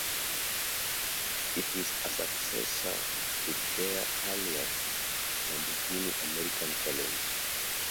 It is a successor to their earlier "Lamborghini American Challenge".